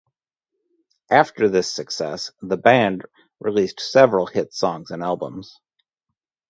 After this success, the band released several hit songs and albums.